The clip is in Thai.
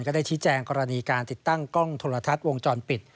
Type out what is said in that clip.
ได้ชี้แจงกรณีการติดตั้งกล้องโทรทัศน์วงจรปิด